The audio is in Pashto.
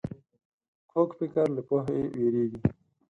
کوږ فکر له پوهې وېرېږي